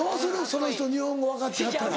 その人日本語分かってはったら。